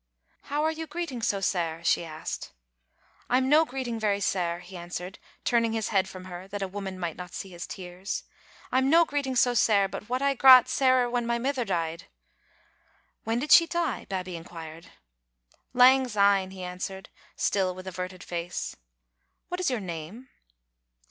" How are you greeting so sair?" she asked. "I*m no greeting very sair," he answered, turning his head from her that a woman might not see his tears. "Fm no greeting so sair but what I grat sairer when my mither died." "When did she die?" Babbie inquired, "Lang S3me," he answered, still with averted face. "What is your name?"